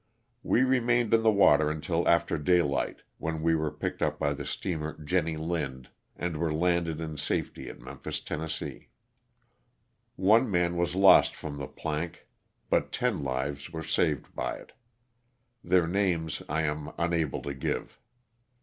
We remained in the water until after daylight when we were picked up by the steamer " Jennie Lind ' and were landed in safety at Memphis, Tenn. One man was lost from the plank but ten lives were saved by it. Their names I am unable to give.